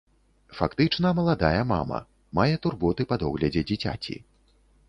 Фактычна маладая мама, мае турботы па доглядзе дзіцяці.